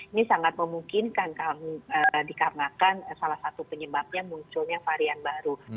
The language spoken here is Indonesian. ini sangat memungkinkan dikarenakan salah satu penyebabnya munculnya varian baru